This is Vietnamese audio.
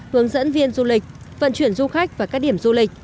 hướng dẫn viên du lịch vận chuyển du khách và các điểm du lịch